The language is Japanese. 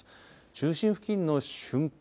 中心付近の瞬間